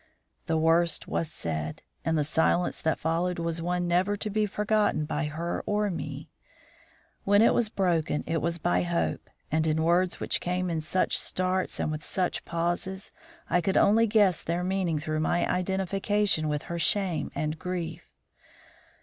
The worst was said; and the silence that followed was one never to be forgotten by her or by me. When it was broken, it was by Hope, and in words which came in such starts and with such pauses, I could only guess their meaning through my own identification with her shame and grief.